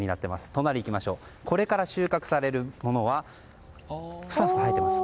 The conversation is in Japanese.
隣、これから収穫されるものはふさふさ生えてます。